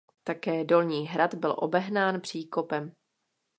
Také dolní hrad byl obehnán příkopem.